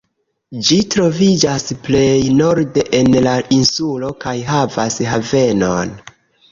Ĝi troviĝas plej norde en la insulo kaj havas havenon.